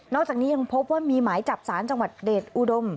จากนี้ยังพบว่ามีหมายจับสารจังหวัดเดชอุดม